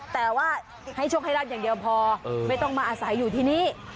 แต่ว่าให้โชคให้ราบอย่างเดียวพอไม่ต้องมาอาศัยอยู่ที่นี่